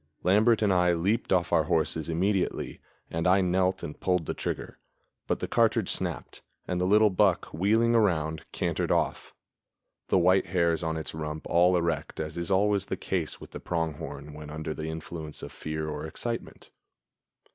Lambert and I leaped off our horses immediately, and I knelt and pulled the trigger; but the cartridge snapped, and the little buck, wheeling around, cantered off, the white hairs on its rump all erect, as is always the case with the pronghorn when under the influence of fear or excitement.